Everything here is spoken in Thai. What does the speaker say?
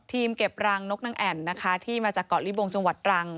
เก็บรังนกนางแอ่นนะคะที่มาจากเกาะลิบงจังหวัดตรัง